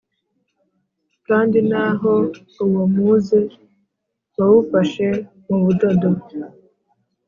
Kandi naho uwo muze wawufashe mu budodo